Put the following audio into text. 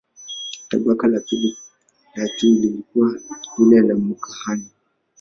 Tabaka la pili la juu lilikuwa lile la makuhani.